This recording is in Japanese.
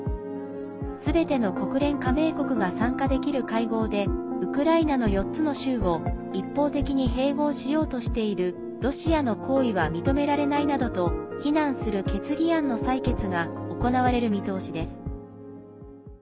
すべての国連加盟国が参加できる会合でウクライナの４つの州を一方的に併合しようとしているロシアの行為は認められないなどと非難する決議案の採決が行われる見通しです。